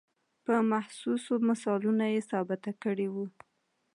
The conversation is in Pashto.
په محسوسو مثالونو یې ثابته کړې وه.